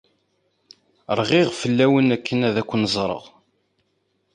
Rɣiɣ fell-awen akken ad ken-ẓreɣ.